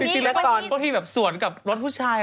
จริงแล้วตอนพวกที่แบบสวนกับรถผู้ชาย